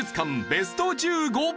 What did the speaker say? ベスト１５。